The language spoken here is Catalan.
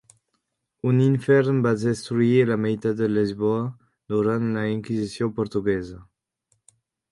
Un infern va destruir la meitat de Lisboa durant la inquisició portuguesa.